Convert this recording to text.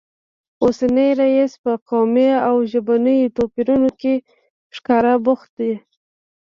اوسنی رییس په قومي او ژبنیو توپیرونو کې ښکاره بوخت دی